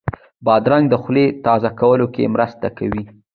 بادرنګ د خولې تازه کولو کې مرسته کوي.